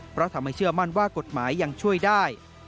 เพราะทำให้เชื่อมั่นว่ากฎหมายยังช่วยได้